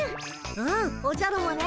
うんおじゃるもね。